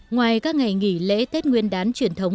ngoài các ngày nghỉ lễ tết nguyên đán truyền thống